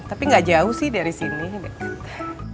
tapi gak jauh sih dari sini